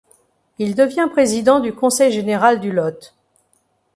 Il devient président du Conseil général du Lot.